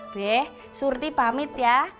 be surti pamit ya